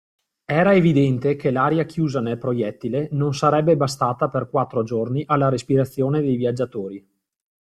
Era evidente che l'aria chiusa nel proiettile non sarebbe bastata per quattro giorni alla respirazione dei viaggiatori.